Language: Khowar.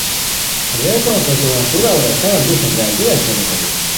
ریکو ہتو سوم اسیرو عورتان دی ہے برارگینیان سوری ہونی